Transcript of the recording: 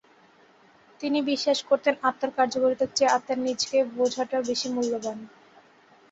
তিনি বিশ্বাস করতেন আত্মার কার্যকারিতার চেয়ে আত্মার নিজকে বোঝাটা বেশি মূল্যবান।